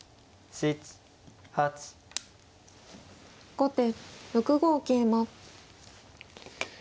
後手６五桂馬。